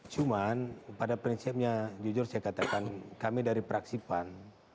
cuman pada prinsipnya jujur saya katakan kami dari praksipan